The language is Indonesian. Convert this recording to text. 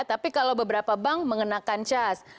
tapi kalau beberapa bank mengenakan cas